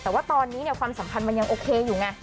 แต่ว่าตอนนี้ความสัมพันธ์มันยังโอเคอยู่ไง